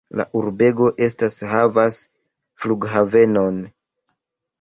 La urbego estas havas flughavenon.